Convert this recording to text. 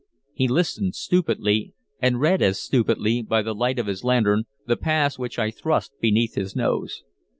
He listened stupidly, and read as stupidly, by the light of his lantern, the pass which I thrust beneath his nose.